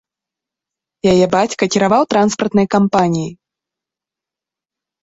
Яе бацька кіраваў транспартнай кампаніяй.